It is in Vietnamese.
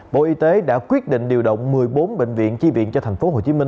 bộ y tế đã quyết định điều động một mươi bốn bệnh viện chi viện cho tp hcm